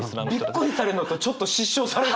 びっくりされるのとちょっと失笑されるのと。